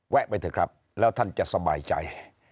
ไปเถอะครับแล้วท่านจะสบายใจ